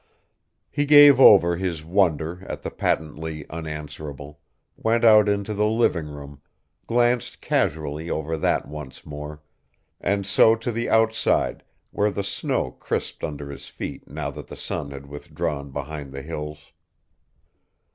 He gave over his wonder at the patently unanswerable, went out into the living room, glanced casually over that once more, and so to the outside where the snow crisped under his feet now that the sun had withdrawn behind the hills.